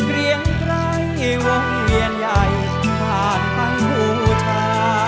เพียงใกล้วงเวียนใหญ่ผ่านไปหูชา